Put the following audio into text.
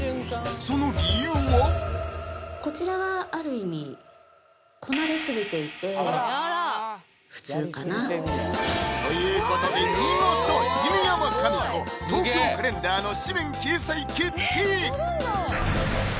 その理由はこちらはということで見事犬山紙子「東京カレンダー」の誌面掲載決定！